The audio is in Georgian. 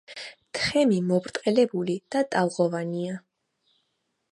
თხემი მობრტყელებული და ტალღოვანია.